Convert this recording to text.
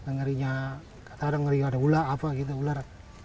ngerinya kata ada ngeri ada ular apa gitu ular